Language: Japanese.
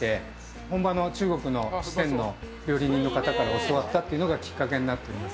本場の中国の四川の料理人から教わったというのがきっかけになっております。